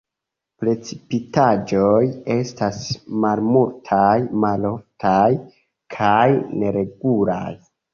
Precipitaĵoj estas malmultaj, maloftaj kaj neregulaj.